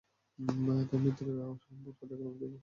তাই মৃত্যুর আগে শম্পার হাতে কলম দিয়ে বিপ্লব নাম লেখা ছিল।